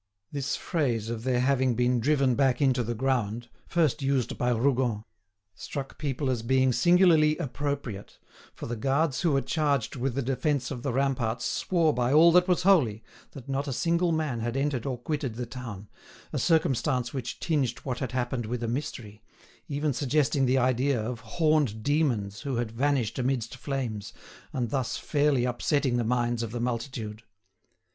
This phrase of their having been "driven back into the ground," first used by Rougon, struck people as being singularly appropriate, for the guards who were charged with the defence of the ramparts swore by all that was holy that not a single man had entered or quitted the town, a circumstance which tinged what had happened with mystery, even suggesting the idea of horned demons who had vanished amidst flames, and thus fairly upsetting the minds of the multitude.